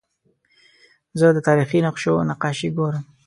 زه د تاریخي نقشو نقاشي ګورم.